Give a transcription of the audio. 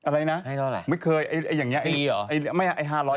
ไรนะไม่เคยอย่างนี้ฟรีหรอ